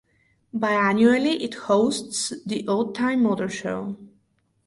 Bi-annually, it hosts the Old Time Motor Show.